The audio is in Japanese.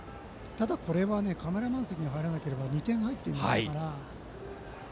ただ、これはカメラマン席に入らなければ２点入っていましたから。